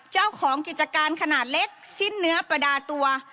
เจ้าของกิจการขนาดเล็กสิ้นเนื้อประดาตัว